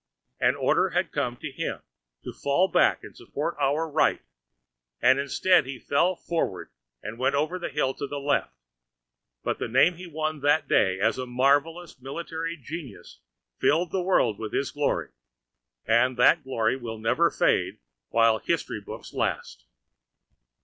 An order had come to him to fall back and support our right; and instead he fell forward and went over the hill to the left. But the name he won that day as a marvellous military genius filled the world with his glory, and that glory will never fade while history books last.